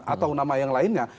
atau nama yang lainnya